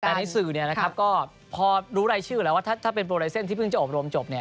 แปลนิสึกเนี่ยนะครับก็พอรู้รายชื่อแล้วว่าถ้าเป็นโปรไลเซ็นด์ที่เพิ่งจะอบรมจบเนี่ย